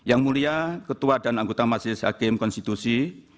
yang mulia ketua dan anggota majelis hakim konstitusi